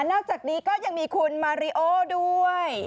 นอกจากนี้ก็ยังมีคุณมาริโอด้วย